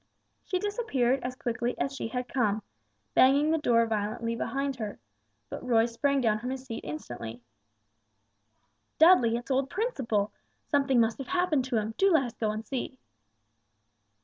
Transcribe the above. She disappeared as quickly as she had come, banging the door violently behind her; but Roy sprang down from his seat instantly. "Dudley, it's old Principle! Something must have happened to him, do let us go and see."